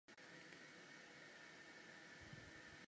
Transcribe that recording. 虢州弘农县人。